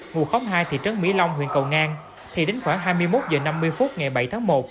ngụ khóm hai thị trấn mỹ long huyện cầu ngang thì đến khoảng hai mươi một h năm mươi phút ngày bảy tháng một